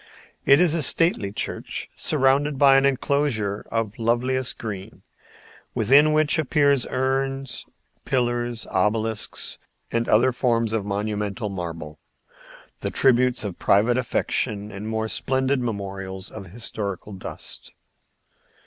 It is a stately church surrounded by an enclosure of the loveliest green, within which appear urns, pillars, obelisks, and other forms of monumental marble, the tributes of private affection or more splendid memorials of historic dust.